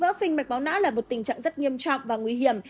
vỡ phình mạch máu não là một tình trạng rất nghiêm trọng và nguy hiểm